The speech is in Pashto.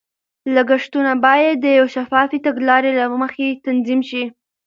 لګښتونه باید د یوې شفافې تګلارې له مخې تنظیم شي.